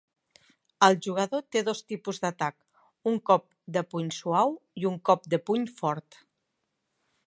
El jugador té dos tipus d'atac: un cop de puny suau i un cop de puny fort.